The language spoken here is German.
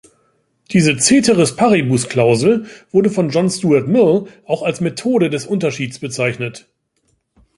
Diese "Ceteris-paribus-Klausel" wurde von John Stuart Mill auch als "Methode des Unterschieds" bezeichnet.